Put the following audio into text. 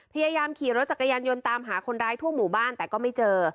พยายามขี่รถจักรยานยนต์ตามหาคนร้ายทั่วหมู่บ้านแต่ก็ไม่เจอ